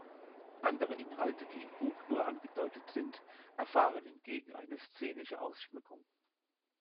Andere Inhalte, die im Buch nur angedeutet sind, erfahren hingegen eine szenische Ausschmückung.